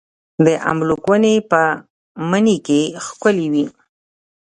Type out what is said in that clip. د املوک ونې په مني کې ښکلې وي.